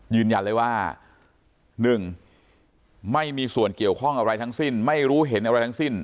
ยืนยันเลยว่า๑ไม่มีส่วนเกี่ยวข้องอะไรทั้งสิ้นไม่รู้เห็นอะไรทั้งสิ้น